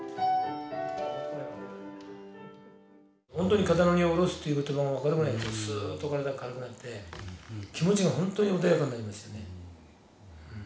ほんとに肩の荷をおろすという言葉が分かるぐらいスーッと体が軽くなって気持ちがほんとに穏やかになりましたね。